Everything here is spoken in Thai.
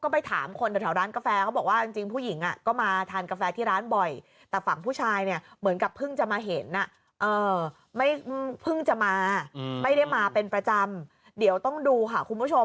พึ่งจะมาไม่ได้มาเป็นประจำเดี๋ยวต้องดูค่ะคุณผู้ชม